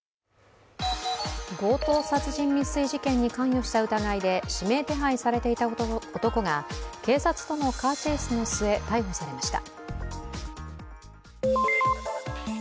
強盗殺人未遂事件に関与した疑いで指名手配されていた男が警察とのカーチェースの末、逮捕されました。